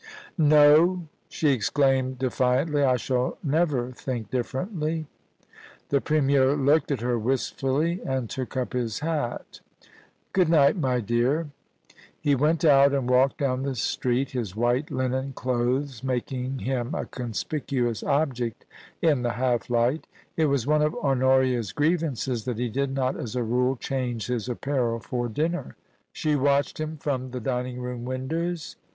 * No,* she exclaimed defiantly ;* I shall never think dif ferently.* The Premier looked at her wistfully, and took up his hat * Good night, my dear.* He went out and walked down the street, his white linen clothes making him a conspicuous object in the half light It was one of Honoria's grievances that he did not as a rule change his apparel for dinner. She watched him from the dining room windows.